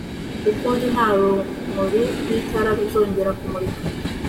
ukundi nta rumuri rw itara ruzongera kumurika